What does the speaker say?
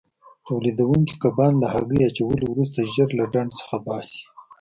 تولیدوونکي کبان له هګۍ اچولو وروسته ژر له ډنډ څخه باسي.